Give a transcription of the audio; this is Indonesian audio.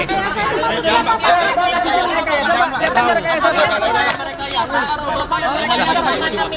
ini kan seperti bola panas yang bapak pengusarkan gitu